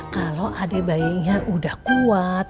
kalau adik bayinya udah kuat